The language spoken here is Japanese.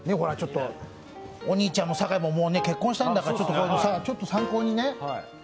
お兄ちゃんも酒井ももう結婚したんだから、参考にね。